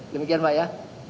demikian pak ya